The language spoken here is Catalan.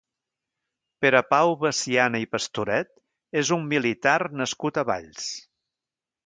Pere Pau Veciana i Pastoret és un militar nascut a Valls.